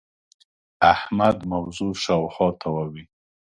احمد موضوع شااوخوا تاووې.